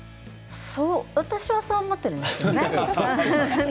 私はそう思っているんですけれどもね。